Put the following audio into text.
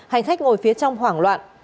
hành khách ngồi phía trong hoảng loạn